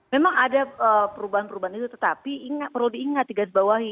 memang ada perubahan perubahan itu tetapi perlu diingat digarisbawahi